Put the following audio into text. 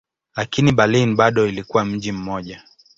Lakini Berlin bado ilikuwa mji mmoja.